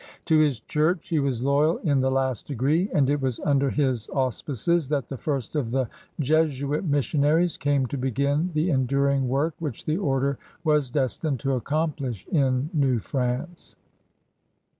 To his Chiux^ he was loyal in the last degree; and it was under his auspices that the first of the Jesuit missionaries came to b^in the enduring work which the Order was destined to accomplish in New France.